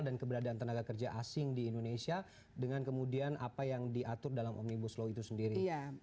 dan keberadaan tenaga kerja asing di indonesia dengan kemudian apa yang diatur dalam omnibus law itu sendiri